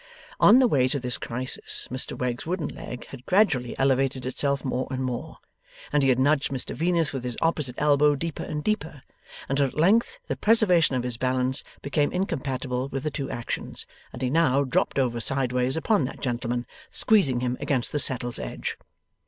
On the way to this crisis Mr Wegg's wooden leg had gradually elevated itself more and more, and he had nudged Mr Venus with his opposite elbow deeper and deeper, until at length the preservation of his balance became incompatible with the two actions, and he now dropped over sideways upon that gentleman, squeezing him against the settle's edge.